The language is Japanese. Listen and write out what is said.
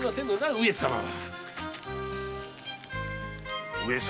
“上様”は。